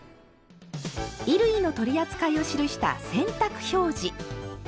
衣類の取り扱いを記した「洗濯表示」。